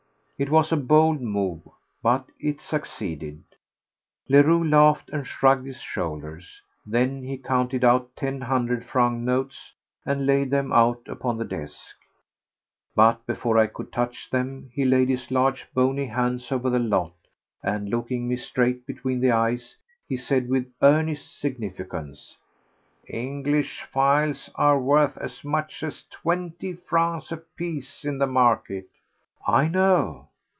It was a bold move. But it succeeded. Leroux laughed and shrugged his shoulders. Then he counted out ten hundred franc notes and laid them out upon the desk. But before I could touch them he laid his large bony hands over the lot and, looking me straight between the eyes, he said with earnest significance: "English files are worth as much as twenty francs apiece in the market." "I know."